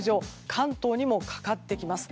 関東にもかかってきます。